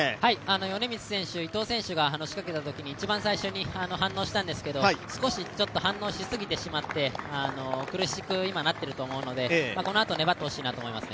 米満選手、伊藤選手が仕掛けたとき、いちばん最初に反応したんですけど少し反応しすぎてしまって、苦しくなっていると思うのでこのあと粘って欲しいなと思いますね。